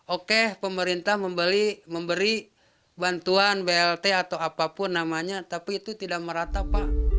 oke pemerintah memberi bantuan blt atau apapun namanya tapi itu tidak merata pak